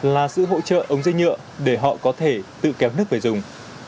là sự hỗ trợ ống dây nhựa để họ có thể tự kéo nước về dùng